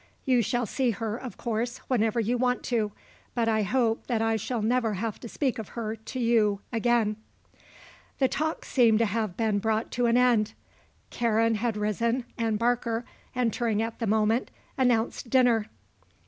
You shall see her, of course, whenever you want to. But I hope that I shall never have to speak of her to you again." The talk seemed to have been brought to an end. Karen, had risen and Barker, entering at the moment, announced dinner.